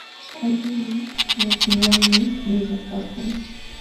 Alliqnin makinwanmi lulapakun.